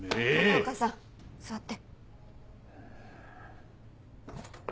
片岡さん座って。